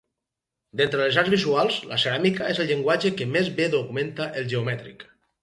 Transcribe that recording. D'entre les arts visuals, la ceràmica és el llenguatge que més bé documenta el geomètric.